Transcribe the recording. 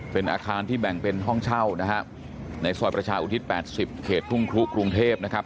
เป็นอาคารที่แบ่งเป็นห้องเช่านะฮะในซอยประชาอุทิศ๘๐เขตทุ่งครุกรุงเทพนะครับ